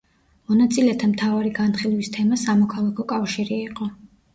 მონაწილეთა მთავარი განხილვის თემა სამოქალაქო კავშირი იყო.